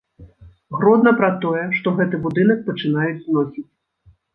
Гродна пра тое, што гэты будынак пачынаюць зносіць.